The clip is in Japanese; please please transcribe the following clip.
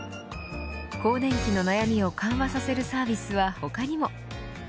更年期の悩みを緩和させるサービスは他にも。